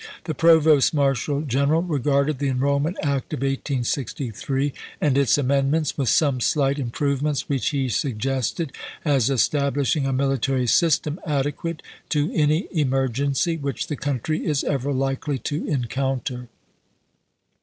The Provost Marshal General regarded the enrollment act of 1863 and its amend ments, with some slight improvements which he suggested, as establishing a military system ade quate to any emergency which the country is ever likely to encounter.